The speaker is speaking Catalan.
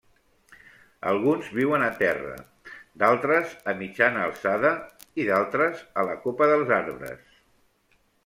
Alguns viuen a terra, d'altres a mitjana alçada i d'altres a la copa dels arbres.